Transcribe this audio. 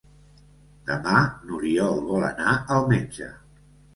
Demà n'Oriol vol anar al metge.